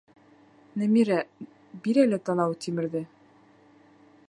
Нәбирә, бир әле анау тимерҙе!